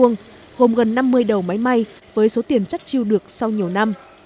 gồm gần năm mươi đầu máy may với số tiền chất chiêu được sau nhiều năm